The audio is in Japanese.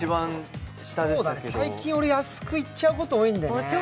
最近、俺、安くいっちゃうことが多いんだよね。